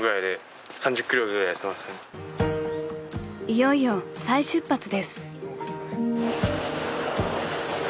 ［いよいよ再出発です］